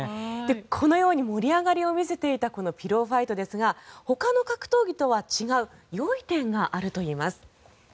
このように盛り上がりを見せていたこのピロー・ファイトですがほかの格闘技とは違うよい点があるといいます。